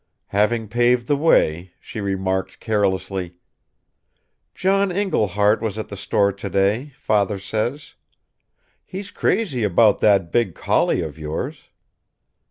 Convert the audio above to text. Having paved the way she remarked carelessly: "John Iglehart was at the store to day, father says. He's crazy about that big collie of yours."